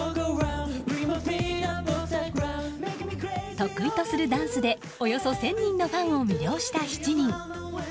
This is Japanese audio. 得意とするダンスでおよそ１０００人のファンを魅了した７人。